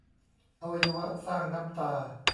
อวัยวะสร้างน้ำตา